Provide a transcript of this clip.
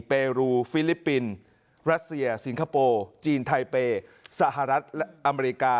เปรูฟิลิปปินส์รัสเซียสิงคโปร์จีนไทเปย์สหรัฐและอเมริกา